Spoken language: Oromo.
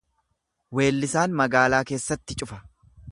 Weellisaan magaalaa keessatti cufa.